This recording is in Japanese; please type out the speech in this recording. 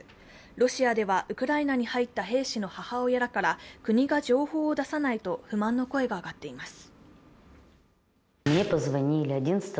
ロシアではウクライナに入った兵士の母親らから国が情報を出さないと不満の声が上がっています。